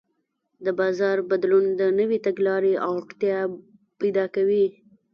د بازار بدلون د نوې تګلارې اړتیا پیدا کوي.